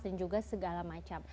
dan juga segala macam